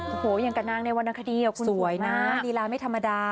โอ้โหอย่างกับนางในวรรณคดีคุณสวยนะลีลาไม่ธรรมดา